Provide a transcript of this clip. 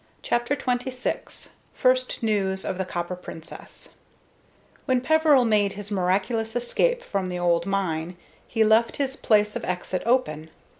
CHAPTER XXVI FIRST NEWS OF THE COPPER PRINCESS When Peveril made his miraculous escape from the old mine, he left his place of exit open.